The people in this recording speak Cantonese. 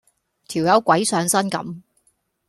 條友鬼上身咁